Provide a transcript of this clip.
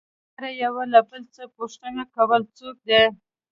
هر يوه له بل څخه پوښتنه کوله څوک دى.